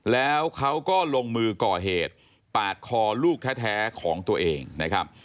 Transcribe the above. แล้วเขาก็ลงมือก่อเหตุปาดคอลูกแท้ของตัวเองนะครับ